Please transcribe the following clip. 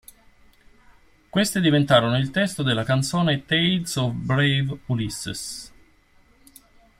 Queste diventarono il testo della canzone "Tales of Brave Ulysses".